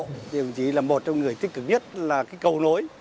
thì mình chỉ là một trong những người tích cực nhất là cầu nối